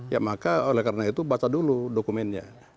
ya maka oleh karena itu baca dulu dokumennya